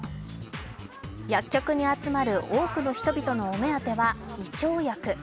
薬局に集まる多くの人々のお目当ては胃腸薬。